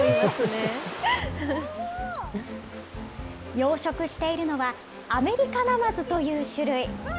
養殖しているのは、アメリカナマズという種類。